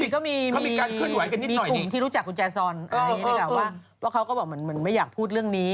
ก็มีกลุ่มที่รู้จักกุญแจซอนว่าเขาก็ไม่อยากพูดเรื่องนี้